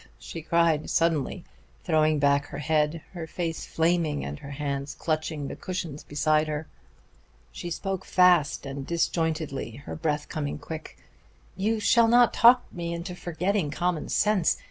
she cried, suddenly throwing back her head, her face flaming and her hands clutching the cushions beside her. She spoke fast and disjointedly, her breath coming quick. "You shall not talk me into forgetting common sense.